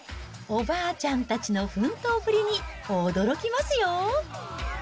おばあちゃんたちの奮闘ぷりに驚きますよ。